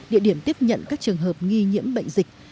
địa điểm tiếp nhận các trường hợp nghi nhiễm bệnh dịch